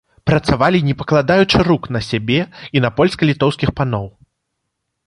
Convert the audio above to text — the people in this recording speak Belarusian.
Працавалі не пакладаючы рук на сябе і на польска-літоўскіх паноў.